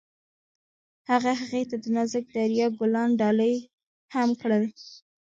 هغه هغې ته د نازک دریا ګلان ډالۍ هم کړل.